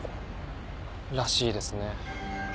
らしいですね。